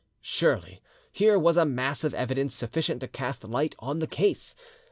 Surely here was a mass of evidence sufficient to cast light on the case.